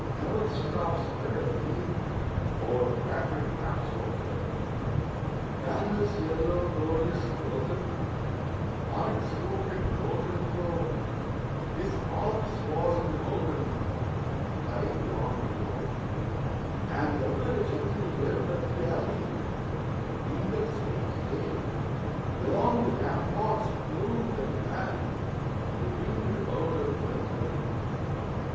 Never seraph spread a pinion Over fabric half so fair! Banners yellow, glorious, golden, On its roof did float and flow, (This all this was in the olden Time long ago), And every gentle air that dallied, In that sweet day, Along the ramparts plumed and pallid, A winged odor went away.